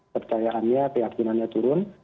percayaannya keyakinannya turun